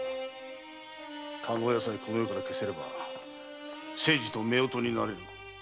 加納屋さえこの世から消せれば清次と夫婦になれる。